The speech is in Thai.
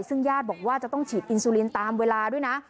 ซึ่งญาติบอกว่าจะต้องฉีดอินซูลินตามเวลาด้วยนะ